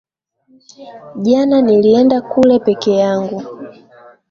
Jana nilienda kule peke yangu